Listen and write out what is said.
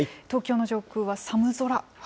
東京の上空は寒空。